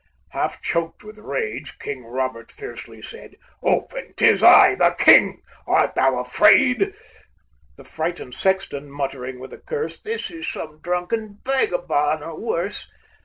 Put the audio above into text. Half choked with rage, King Robert fiercely said, "Open: 'Tis I, the King! Art thou afraid?" The frightened sexton muttering with a curse, "This is some drunken vagabond or worse!"